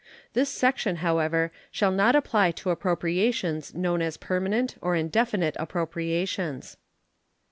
This section, however, shall not apply to appropriations known as permanent or indefinite appropriations.